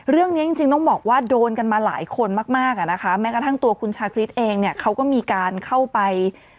เรื่องนี้จริงต้องบอกว่าโดนกันมาหลายคนมากมากอ่ะนะคะแม้กระทั่งตัวคุณชาคริสเองเนี่ยเขาก็มีการเข้าไป